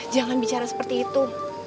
jangan bicara seperti itu